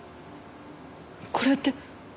これって。